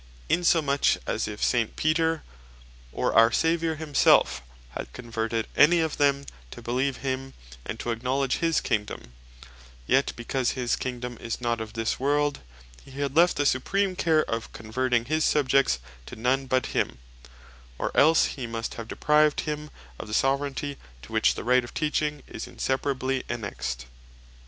In so much, as if St. Peter, or our Saviour himself had converted any of them to beleeve him, and to acknowledge his Kingdome; yet because his Kingdome is not of this world, he had left the supreme care of converting his subjects to none but him; or else hee must have deprived him of the Soveraignty, to which the Right of Teaching is inseparably annexed.